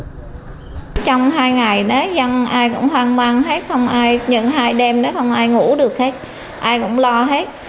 trong hai ngày đó dân ai cũng hoang mang hết nhưng hai đêm đó không ai ngủ được hết ai cũng lo hết